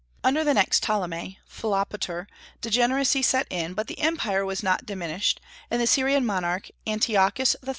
Under the next Ptolemy, Philopater, degeneracy set in; but the empire was not diminished, and the Syrian monarch Antiochus III.